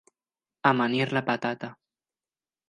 Amanir la patata.